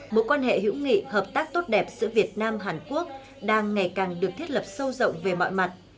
một quan hệ hữu nghị hợp tác tốt đẹp giữa việt nam hàn quốc đang ngày càng được thiết lập sâu rộng về mọi mặt